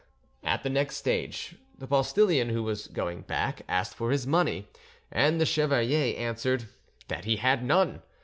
At the next stage, the postillion, who was going back, asked for his money, and the chevalier answered that he had none.